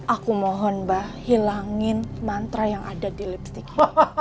aku mohon mbah hilangin mantra yang ada di lipstick